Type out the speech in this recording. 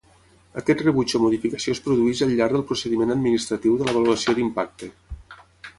Aquest rebuig o modificació es produeix al llarg del procediment administratiu de l'avaluació d'impacte.